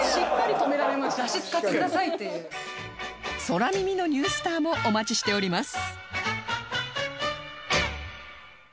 空耳のニュースターもお待ちしております